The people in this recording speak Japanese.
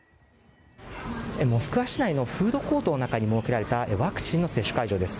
モスクワ市内のフードコートの中に設けられたワクチンの接種会場です。